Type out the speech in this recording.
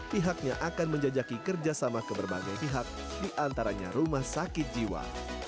pihaknya akan menjajaki kerjasama ke berbagai pihak diantaranya rumah sakit jiwa